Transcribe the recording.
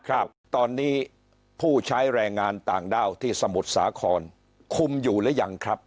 ครับตอนนี้ผู้ใช้แรงงานต่างด้าวที่สมุทรสาครคุมอยู่หรือยังครับ